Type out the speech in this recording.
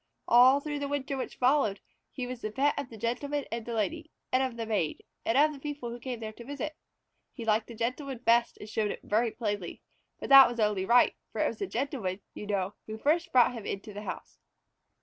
All through the winter which followed, he was the pet of the Gentleman and the Lady, of the Maid, and of the people who came there to visit. He liked the Gentleman best and showed it very plainly, but that was only right, for it was the Gentleman, you know, who first brought him into the house.